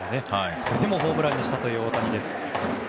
それでもホームランにしたという大谷です。